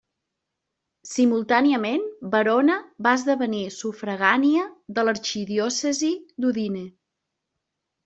Simultàniament Verona va esdevenir sufragània de l'arxidiòcesi d'Udine.